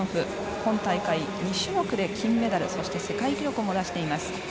今大会２種目で金メダルそして世界記録も出しています。